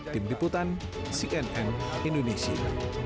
tim diputan cnn indonesia